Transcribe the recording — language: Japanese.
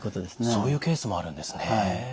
そういうケースもあるんですね。